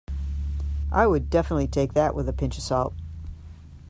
I would definitely take that with a pinch of salt